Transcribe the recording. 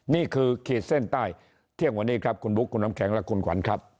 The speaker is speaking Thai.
ขีดเส้นใต้เที่ยงวันนี้ครับคุณบุ๊คคุณน้ำแข็งและคุณขวัญครับ